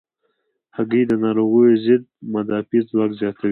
هګۍ د ناروغیو ضد مدافع ځواک زیاتوي.